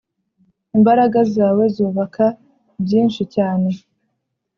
imbaraga zawe zubaka byinshi cyane